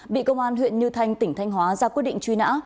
bị công an huyện như thanh tỉnh thanh hóa ra quyết định truy nã